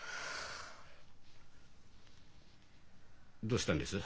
どうしたんです？